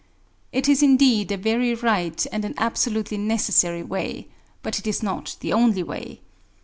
It is indeed a very right and an absolutely necessary way; but it is not the only way.